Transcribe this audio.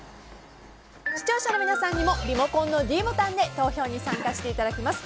視聴者の皆さんにもリモコンのｄボタンで投票に参加していただきます。